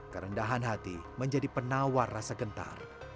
kerendahan hati menjadi penawar rasa gentar